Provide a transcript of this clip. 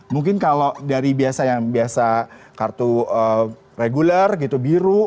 mungkin kalau dari biasa yang biasa kartu reguler gitu biru